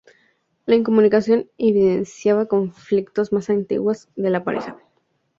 La incomunicación evidenciaba conflictos más antiguos de la pareja.